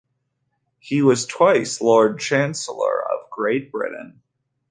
He was twice Lord Chancellor of Great Britain.